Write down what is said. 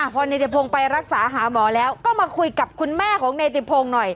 พอเนติพงศ์ไปรักษาหาหมอแล้วก็มาคุยกับคุณแม่ของเนติพงศ์หน่อย